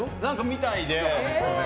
みたいで。